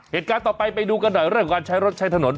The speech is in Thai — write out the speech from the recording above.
เหตุการณ์ต่อไปไปดูกันหน่อยเรื่องการใช้รถใช้ถนน